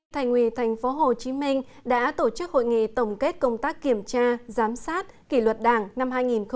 thành ủy tp hcm đã tổ chức hội nghị tổng kết công tác kiểm tra giám sát kỷ luật đảng năm hai nghìn một mươi chín